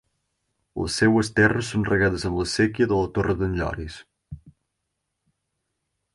Les seues terres són regades amb la séquia de la Torre d’en Lloris.